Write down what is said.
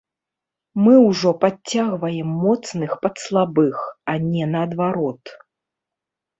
Мы ўжо падцягваем моцных пад слабых, а не наадварот.